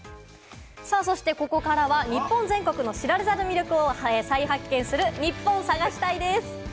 そしてここからは日本全国の知られざる魅力を再発見するニッポン探し隊です。